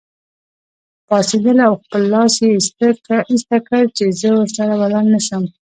پاڅېدله او خپل لاس یې ایسته کړ چې زه ورسره ولاړ نه شم.